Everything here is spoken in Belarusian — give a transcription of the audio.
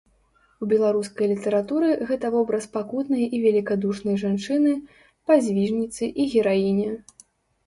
У беларускай літаратуры гэта вобраз пакутнай і велікадушнай жанчыны, падзвіжніцы і гераіні.